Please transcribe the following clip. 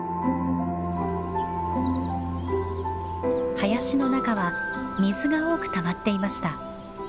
林の中は水が多くたまっていました。